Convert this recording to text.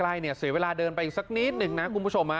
เนี่ยเสียเวลาเดินไปอีกสักนิดนึงนะคุณผู้ชม